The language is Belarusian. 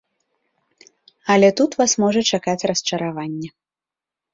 Але тут вас можа чакаць расчараванне.